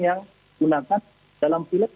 yang digunakan dalam